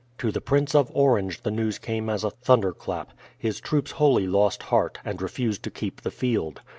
To the Prince of Orange the news came as a thunderclap. His troops wholly lost heart, and refused to keep the field.